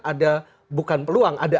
ada bukan peluang ada